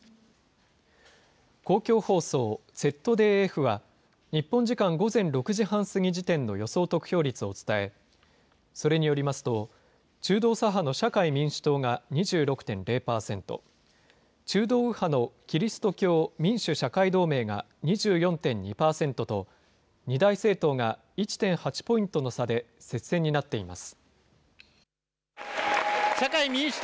公共放送ＺＤＦは、日本時間午前６時半過ぎ時点の予想得票率を伝え、それによりますと、中道左派の社会民主党が２６．０％、中道右派のキリスト教民主・社会同盟が２４．２％と、二大政党が１．８ポイントの差で接戦になっています。